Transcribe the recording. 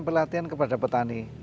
pelatihan kepada petani